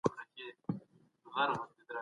خپل نیت تل پاک وساتئ.